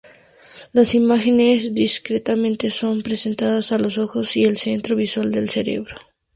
Las imágenes discretamente son presentadas a los ojos y el centro visual del cerebro.